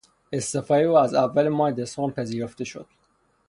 استعفای او از اول ماه دسامبر پذیرفته شد.